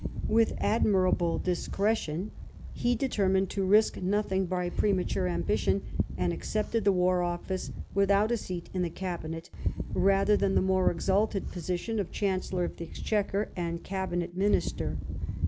With admirable discretion he determined to risk nothing by premature ambition, and accepted the War Office with out a seat in the Cabinet, rather than the more exalted position of Chancellor of the Exchequer and Cabinet minister.